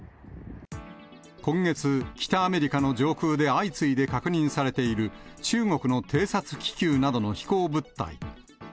今月、北アメリカの上空で相次いで確認されている中国の偵察気球などの飛行物体。